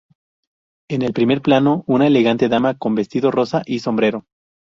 En el primer plano, una elegante dama con vestido rosa y sombrero.